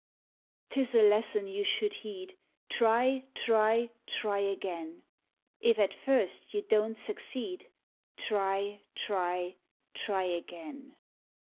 'T is a lesson you should hoed, Try, try, try agaiu ; If at first you don't succeed, Try, try, try again.